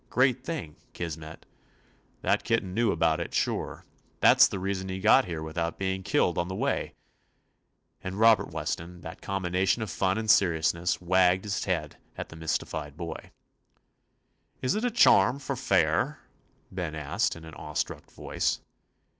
Great thing, Kismet. That kitten knew about it, sure. That 's the reason he got here without being killed on the way," and Robert Weston, that com bination of fun and seriousness, wagged his head at the mystified boy. "Is it a charm for fair^" Ben asked, in an awe struck voice.